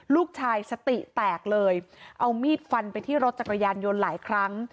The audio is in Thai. ลูกชายสติแตกเลยเอามีดฟันไปที่รถจักรยานยนต์หลายครั้ง